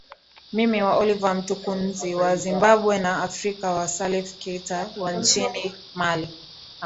mimi wa Oliver Mtukudzi wa Zimbabwe na Africa wa Salif Keita wa nchini Mali